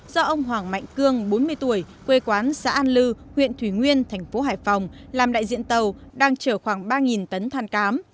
do ông hoàng mạnh cương bốn mươi tuổi quê quán xã an lư huyện thủy nguyên thành phố hải phòng làm đại diện tàu đang chở khoảng ba tấn than cám